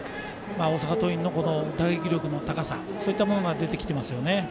大阪桐蔭の打撃力の高さそういったものが出てきてますね。